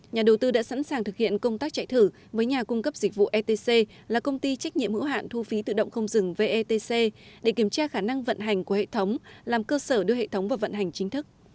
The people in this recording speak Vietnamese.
nhà đầu tư đã sẵn sàng thực hiện công tác chạy thử với nhà cung cấp dịch vụ etc là công ty trách nhiệm hữu hạn thu phí tự động không dừng vetc để kiểm tra khả năng vận hành của hệ thống làm cơ sở đưa hệ thống vào vận hành chính thức